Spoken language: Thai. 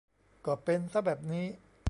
ก็เป็นซะแบบนี้